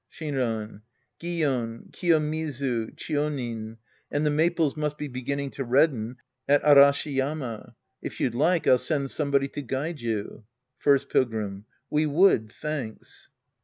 *Shinran. Gion, Kiyomizu, Chionin. And the maples must be beginning to redden at Arashiyama. If you'd like, I'll send somebody to guide you. First Pilgrim. We would, thanks.